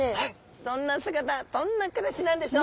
どんな姿どんな暮らしなんでしょう？